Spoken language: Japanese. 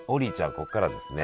ここからはですね